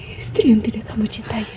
istri yang tidak kamu cintai